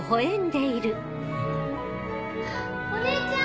・お姉ちゃん！